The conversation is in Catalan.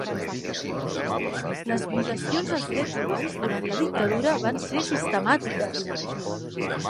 Les violacions als drets humans durant la dictadura van ser sistemàtiques.